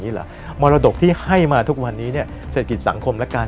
เหรอมรดกที่ให้มาทุกวันนี้เนี่ยเศรษฐกิจสังคมและการ